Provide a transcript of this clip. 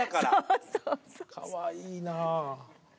かわいいなぁ。